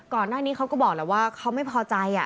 ก่อนหน้านี้เขาก็บอกแล้วว่าเขาไม่พอใจ